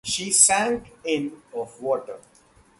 She sank in of water.